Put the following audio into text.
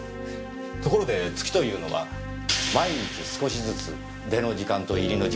ところで月というのは毎日少しずつ出の時間と入りの時間がずれていきます。